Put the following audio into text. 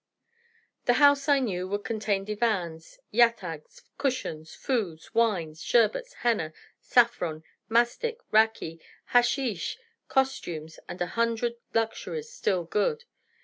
The house, I knew, would contain divans, yatags, cushions, foods, wines, sherbets, henna, saffron, mastic, raki, haschish, costumes, and a hundred luxuries still good.